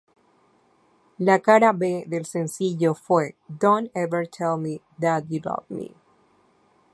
La cara B del sencillo fue "Don't Ever Tell Me That You Love Me".